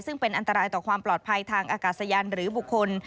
ซึ่งเป็นอันตรายต่อความปลอดภัยทางอากาศยานหรือบุคคล